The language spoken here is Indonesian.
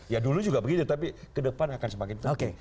ya dulu juga begitu tapi ke depan akan semakin tinggi